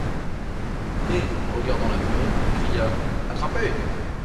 Et, regardant la nuée, il cria: — Attrapé!